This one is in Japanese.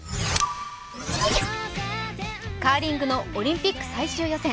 カーリングのオリンピック最終予選。